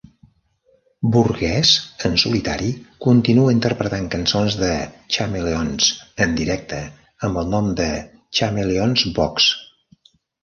Burgess, en solitari, continua interpretant cançons de Chameleons en directe amb el nom de ChameleonsVox.